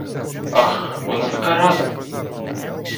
Ах, вона така рада!